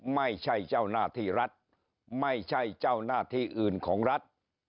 ไม่ใช่เจ้าหน้าที่รัฐไม่ใช่เจ้าหน้าที่อื่นของรัฐ